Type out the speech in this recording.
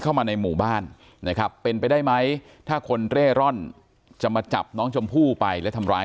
เข้ามาในหมู่บ้านนะครับเป็นไปได้ไหมถ้าคนเร่ร่อนจะมาจับน้องชมพู่ไปและทำร้าย